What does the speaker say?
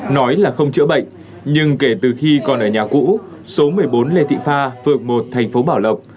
nói là không chữa bệnh nhưng kể từ khi còn ở nhà cũ số một mươi bốn lê thị pha phường một thành phố bảo lộc